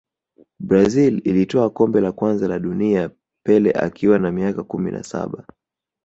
brazil ilitwaa kombe la kwanza la dunia pele akiwa na miaka kumi na saba